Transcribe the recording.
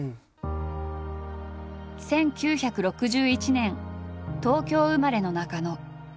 １９６１年東京生まれの中野。